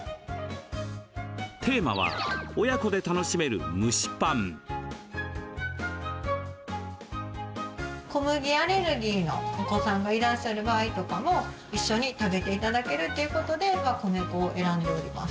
テーマは小麦アレルギーのお子さんがいらっしゃる場合とかも一緒に食べて頂けるということで米粉を選んでおります。